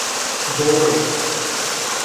Mbóre.